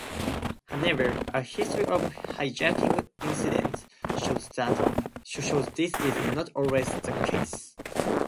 However, a history of hijacking incidents shows this is not always the case.